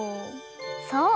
そう。